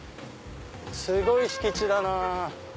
すごい敷地だなぁ。